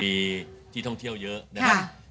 มีที่ท่องเที่ยวเยอะนะครับ